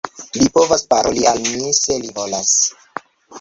Li povas paroli al mi se li volas.